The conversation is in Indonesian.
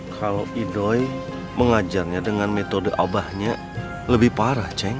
kalau idoi mengajarnya dengan metode obahnya lebih parah ceng